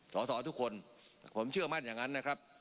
สอสอทุกคนผมเชื่อมั่นอย่างนั้นนะครับ